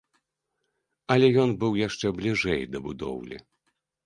Але ён быў яшчэ бліжэй да будоўлі.